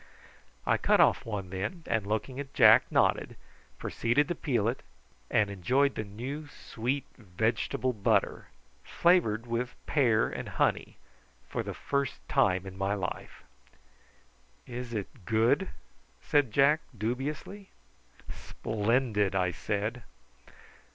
I cut off one then, and looking at Jack nodded, proceeded to peel it, and enjoyed the new sweet vegetable butter, flavoured with pear and honey, for the first time in my life. "Is it good?" said Jack, dubiously. "Splendid," I said.